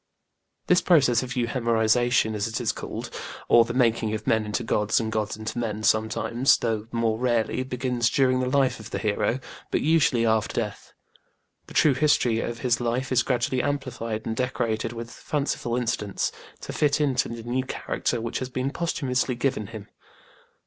This process of euhemerisation, as it is called, or the making of men into gods and gods into men, sometimes, though more rarely, begins during the life of the hero, but usually after death. The true history of his life is gradually amplified and decorated with fanciful incidents, to fit it to the new character which has been posthumously given him.